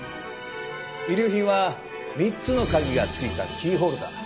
遺留品は３つの鍵がついたキーホルダー。